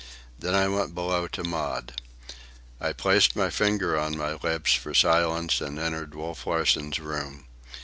Then I went below to Maud. I placed my finger on my lips for silence, and entered Wolf Larsen's room.